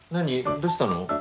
どしたの？